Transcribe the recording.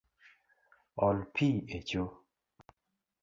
Ol pi echo